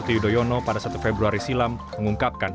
yudhoyono pada satu februari silam mengungkapkan